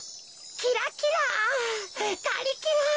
キラキラガリキラ。